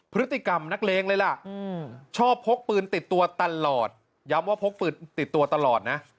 พฤติกรรมนักเลงเลยล่ะชอบพกปืนติดตัวตลอดย้ำว่าพกปืนติดตัวตลอดนะ